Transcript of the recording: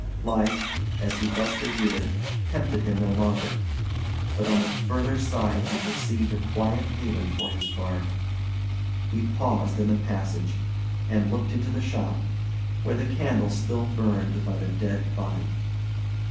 Life, as he thus reviewed it, tempted him no longer; but on the further side he perceived a quiet haven for his bark. He paused in the passage, and looked into the shop, where the candle still burned by the dead body.